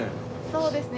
そうですね。